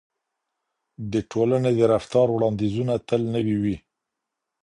د ټولنې د رفتار وړاندیزونه تل نوي وي.